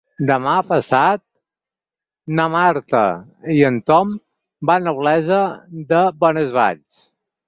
Demà passat na Marta i en Tom van a Olesa de Bonesvalls.